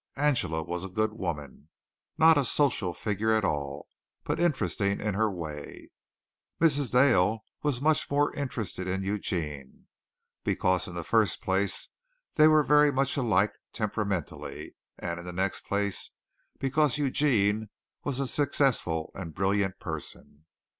Angela was a good woman not a social figure at all but interesting in her way. Mrs. Dale was much more interested in Eugene, because in the first place they were very much alike temperamentally, and in the next place because Eugene was a successful and brilliant person.